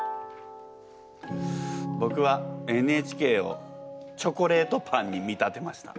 ぼくは「ＮＨＫ」をチョコレートパンに見立てました。